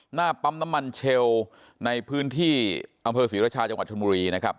หน้าปั๊มน้ำมันเชลในพื้นที่อำเภอศรีรชาจังหวัดชนบุรีนะครับ